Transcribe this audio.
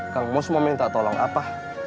kang mau semua minta tolong apa